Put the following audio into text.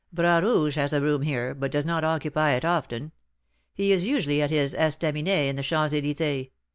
Bras Rouge has a room here, but does not occupy it often. He is usually at his estaminet in the Champs Elysées.